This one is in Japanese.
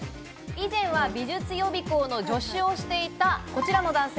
以前は美術予備校の助手をしていた、こちらの男性。